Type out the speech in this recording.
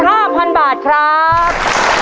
ภายในเวลา๓นาที